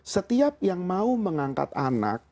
setiap yang mau mengangkat anak